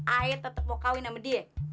ayet tetep mau kawin sama dia